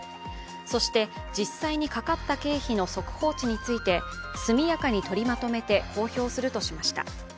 そして実際に、かかった経費の速報値について速やかに取りまとめて公表するとしました。